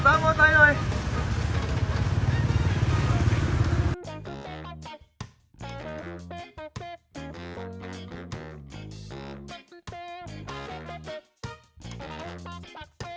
ผูกไว้ได้ปะพี่ถ้าเอาเชี่ยวผูกไว้ให้เขาได้ปะ